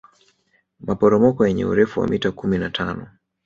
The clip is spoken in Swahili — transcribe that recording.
maporomoko yenye urefu wa mita kumi na tano